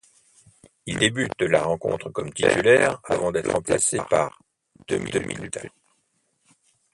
Il débute la rencontre comme titulaire, avant d'être remplacé par deux minutes plus tard.